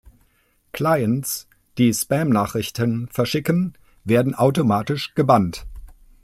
Clients, die Spam-Nachrichten verschicken, werden automatisch gebannt.